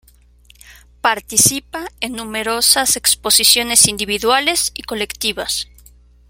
Participa en numerosas exposiciones individuales y colectivas.